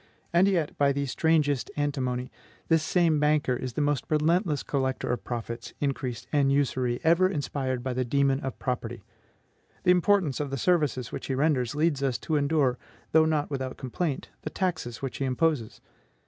And yet, by the strangest antinomy, this same banker is the most relentless collector of profits, increase, and usury ever inspired by the demon of property. The importance of the services which he renders leads us to endure, though not without complaint, the taxes which he imposes.